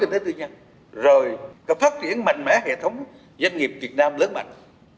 đối với kinh tế tư nhân rồi phát triển mạnh mẽ hệ thống doanh nghiệp việt nam lớn mạnh